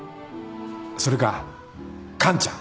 それかカンちゃん。